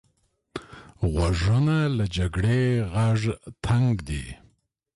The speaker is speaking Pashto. غوږونه له جګړې غږ تنګ دي